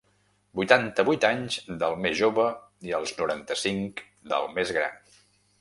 Vuitanta-vuit anys del més jove i els noranta-cinc del més gran.